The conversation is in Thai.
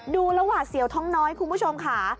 ดูแล้วหวาดเสียวท้องน้อยคุณผู้ชมค่ะ